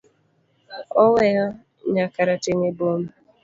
Oweyo nya karateng' e boma.